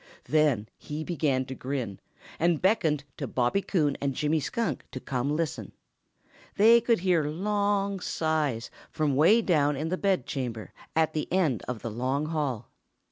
Then he began to grin and beckoned to Bobby Coon and Jimmy Skunk to come listen. They could hear long sighs from way down in the bedchamber at the end of the long hall.